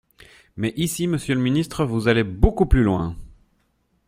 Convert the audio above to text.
Mais ici, monsieur le ministre, vous allez beaucoup plus loin.